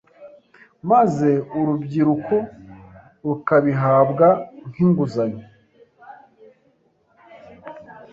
maze urubyiruko rukabihabwa nk’inguzanyo